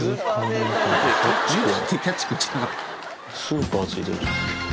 「スーパー」付いてるじゃん。